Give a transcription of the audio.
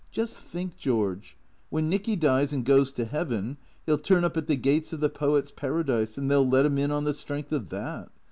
Just think, George, when Nicky dies and goes to heaven he'll turn up at the gates of the poets' paradise, and they '11 let him in on the strength of that.